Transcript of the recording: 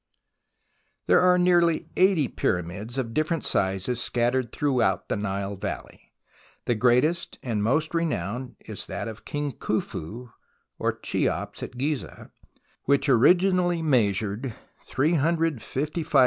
There are nearly eighty Pyramids of different sizes scattered throughout the Nile valley. The greatest and most renowned is that of King Khufu or Cheops, at Gizeh, which originally measured < 05 a Id X in O U .